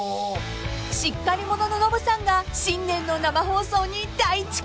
［しっかり者のノブさんが新年の生放送に大遅刻］